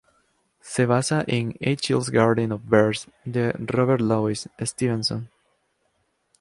Se basa en "A Child's Garden of Verse" de Robert Louis Stevenson.